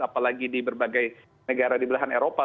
apalagi di berbagai negara di belahan eropa